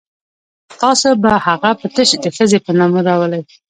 تاسو به هغه په تش د ښځې په نامه راولئ.